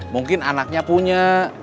mungkin anaknya punya